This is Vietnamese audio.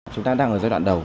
chúng ta đang ở giai đoạn đầu